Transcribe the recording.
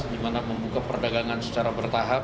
di mana membuka perdagangan secara bertahap